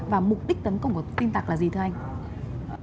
và mục đích tấn công của tin tặc là gì thưa anh